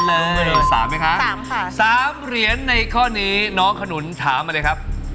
๓เหรียญในข้อนี้น้องขนุนถามอะไรครับ